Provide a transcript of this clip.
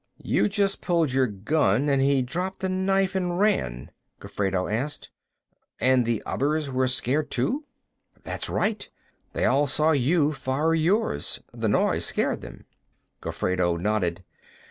"You just pulled your gun, and he dropped the knife and ran?" Gofredo asked. "And the others were scared, too?" "That's right. They all saw you fire yours; the noise scared them." Gofredo nodded.